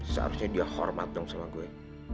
seharusnya dia hormat dong sama gue